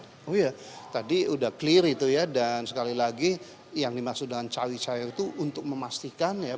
oh iya tadi sudah clear itu ya dan sekali lagi yang dimaksud dengan cawi cawi itu untuk memastikan ya